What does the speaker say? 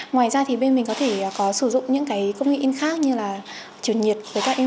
ngoài ra thì bên mình có thể có sử dụng những công nghệ in khác như là chiều nhiệt với các in lưới